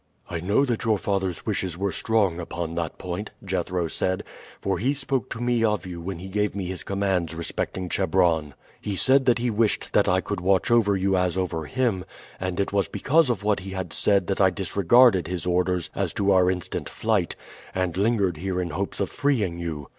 "I know that your father's wishes were strong upon that point," Jethro said; "for he spoke to me of you when he gave me his commands respecting Chebron. He said that he wished that I could watch over you as over him, and it was because of what he had said that I disregarded his orders as to our instant flight, and lingered here in hopes of freeing you.